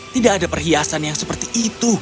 tidak ada perhiasan yang seperti itu